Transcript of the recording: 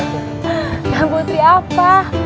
tuan putri apa